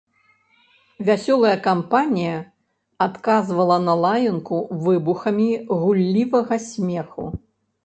Вясёлая кампанія адказвала на лаянку выбухамі гуллівага смеху.